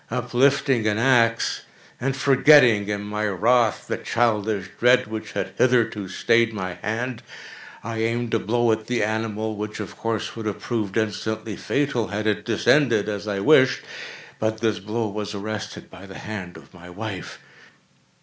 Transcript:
Uplifting an axe, and forgetting, in my wrath, the childish dread which had hitherto stayed my hand, I aimed a blow at the animal which, of course, would have proved instantly fatal had it descended as I wished. But this blow was arrested by the hand of my wife.